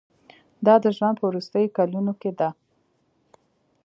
دا د ژوند په وروستیو کلونو کې ده.